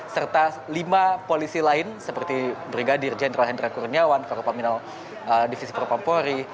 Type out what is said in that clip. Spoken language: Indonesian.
serta lima polisi lain seperti brigadir jendral hendrik kurniawan korpaminal divisi korpam polri